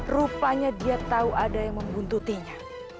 rupanya dia tahu ada yang membuntutinya